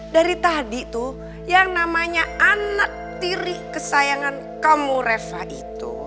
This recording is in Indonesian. dari tadi tuh yang namanya anak tiri kesayangan kamu reva itu